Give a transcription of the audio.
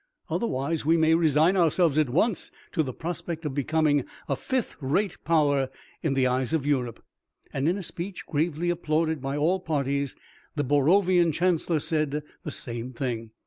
Otherwise we may resign ourselves at once to the prospect of becoming a fifth rate power in the eyes of Europe." And in a speech, gravely applauded by all parties, the Borovian Chancellor said the same thing.